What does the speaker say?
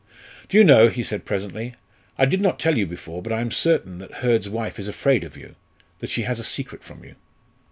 "Do you know," he said presently, "I did not tell you before, but I am certain that Hurd's wife is afraid of you, that she has a secret from you?"